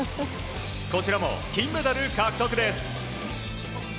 こちらも、金メダル獲得です。